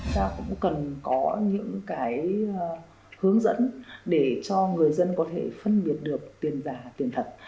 chúng ta cũng cần có những hướng dẫn để cho người dân có thể phân biệt được tiền giả tiền thật